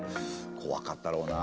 こわかったろうな。